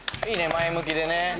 前向きでね。